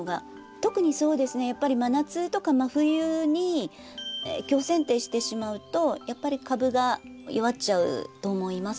特にやっぱり真夏とか真冬に強せん定してしまうとやっぱり株が弱っちゃうと思います。